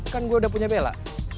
kan gue udah punya bella